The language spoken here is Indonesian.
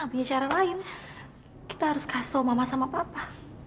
punya cara lain kita harus custo mama sama papa